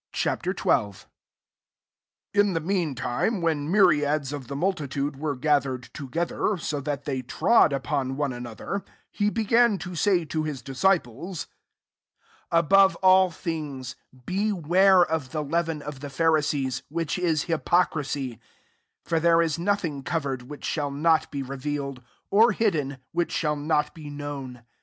XII, I IN the mean time, vrben myriads of the multitude were gathered together, so that they trod upon one another, he be|pin to say to his disciples, Above all things, beware of the leaven of the Pharisees which is hypocrisy, 2 For there LS nothing covered, which shall oot be revealed; or hidden, which shall not be known.